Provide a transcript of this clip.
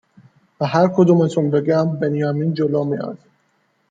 به هرکدومتون بگم بنیامین جلو میاد